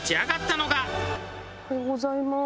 おはようございます。